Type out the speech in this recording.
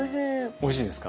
おいしいですか？